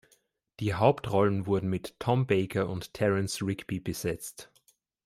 Die Hauptrollen wurden mit Tom Baker und Terence Rigby besetzt.